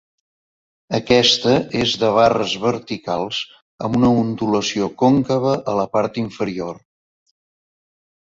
Aquesta és de barres verticals amb una ondulació còncava a la part inferior.